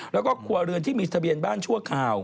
แล้วก็ครัวเรือนที่มีทะเบียนบ้านชั่วคราว